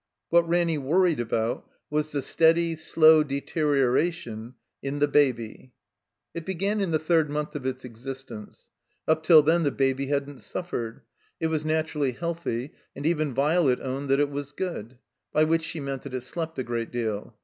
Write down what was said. What Ranny worried about was the steady, slow deterioration in the Baby. It began in the third month of its existence. Up till then the Baby hadn't suffered. It was naturally healthy, and even Violet owned that it was good. By which she meant that it slept a great deal.